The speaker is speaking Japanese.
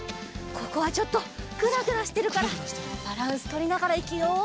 ここはちょっとぐらぐらしてるからバランスとりながらいくよ！